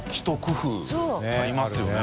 劼塙ありますよね